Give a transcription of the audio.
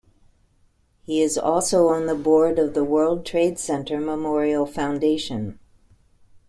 He is also on the board of the World Trade Center Memorial Foundation.